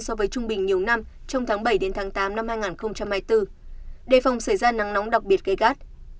so với trung bình nhiều năm trong tháng bảy tám hai nghìn hai mươi bốn đề phòng xảy ra nắng nóng đặc biệt gây gắt